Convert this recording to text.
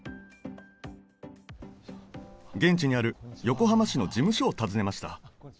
現地にある横浜市の事務所を訪ねました